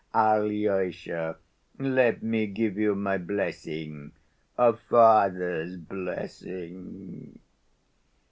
Alyosha, let me give you my blessing—a father's blessing."